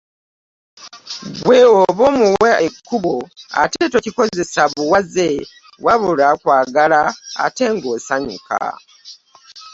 Ggwe oba omuwa ekkubo, ate tokikozesa buwaze wabula kwagala ate ng’osanyuka.